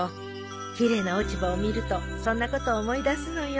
奇麗な落ち葉を見るとそんなことを思い出すのよ。